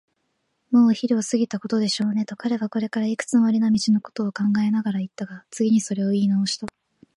「もうお昼を過ぎたことでしょうね」と、彼はこれからいくつもりの道のことを考えながらいったが、次にそれをいいなおした。